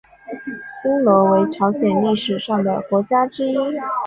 新罗为朝鲜历史上的国家之一。